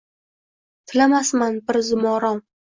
Tilamasman bir zumorom